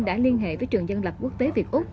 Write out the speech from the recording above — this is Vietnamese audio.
đã liên hệ với trường dân lập quốc tế việt úc